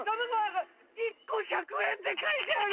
１個１００円って書いてある！